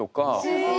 すごい！